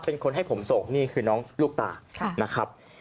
เป็นคนให้ผมส่งนี่คือน้องลูกตานะครับ